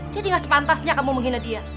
jadi gak sepantasnya kamu menghina dia